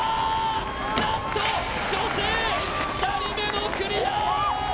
なんと女性２人目のクリア。